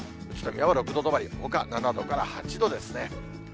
宇都宮は６度止まり、ほか７度から８度ですね。